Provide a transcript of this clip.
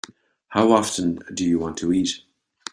How often do you want to eat?